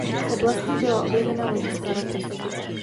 V oblasti byla objevena ložiska ropy.